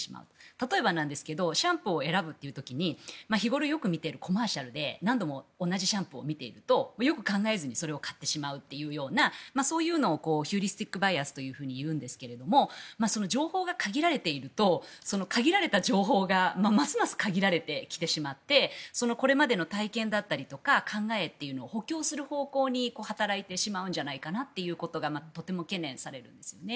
例えばなんですけどシャンプーを選ぶという時に日頃、よく見ているコマーシャルで何度も同じシャンプーを見ているとよく考えずにそれを買ってしまうというようなそういうのをヒューリスティック・バイアスというんですが情報が限られていると限られた情報がますます限られてきてしまってこれまでの体験だったりとか考えというのを補強する方向に働いてしまうんじゃないかなということがとても懸念されるんですよね。